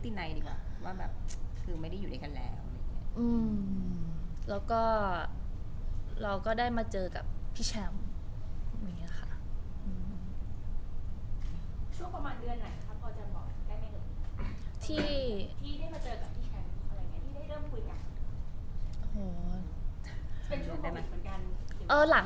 ที่ได้เริ่มคุยกับเขา